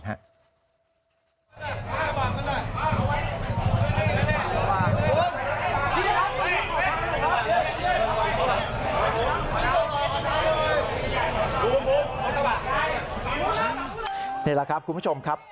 นี่แหละครับคุณผู้ชมครับ